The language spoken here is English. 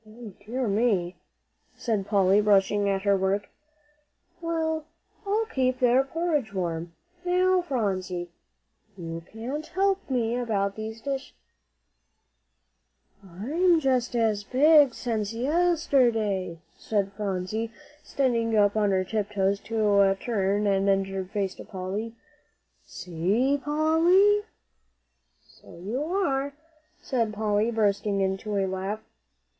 "Dear me," said Polly, rushing at her work; "well, I'll keep their porridge warm. Now, Phronsie, you can't help me about these dishes." "I'm just as big since yesterday," said Phronsie, standing up on her tiptoes to turn an injured face to Polly. "See, Polly." "So you are," said Polly, bursting into a laugh.